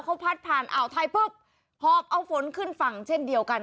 เขาพัดผ่านอ่าวไทยปุ๊บหอบเอาฝนขึ้นฝั่งเช่นเดียวกัน